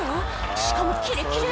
しかもキレキレ！